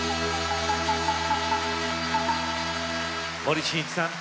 森進一さん